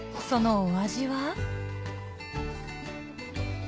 そのお味は？